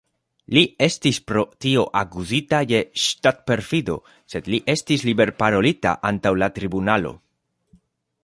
Li estis pro tio akuzita je ŝtat-perfido, sed li estis liber-parolita antaŭ la tribunalo.